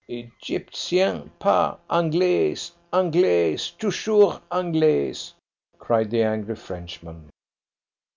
_" "Egyptien! Pah, Anglais, Anglais toujours Anglais!" cried the angry Frenchman.